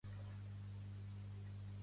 Pertany al moviment independentista la Lore?